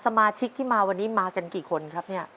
สมาชิกที่มาวันนี้มากันกี่คนครับเนี่ย